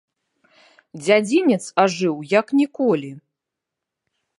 Дзядзінец ажыў як ніколі.